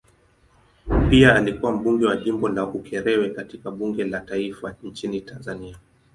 Pia alikuwa mbunge wa jimbo la Ukerewe katika bunge la taifa nchini Tanzania.